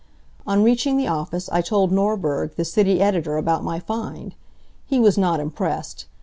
On reaching the office I told Norberg, the city editor, about my find. He was not impressed.